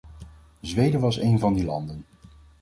Zweden was een van die landen.